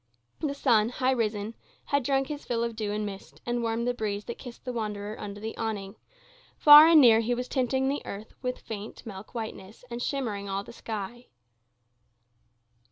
The sun, high risen, had drunk his fill of dew and mist, and warmed the breeze that kissed the wanderer under the awning; far and near he was tinting the earth with faint milk whiteness, and shimmering all the sky.